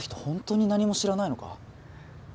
ほんとに何も知らないのか？